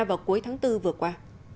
vào cuối tháng bốn vừa qua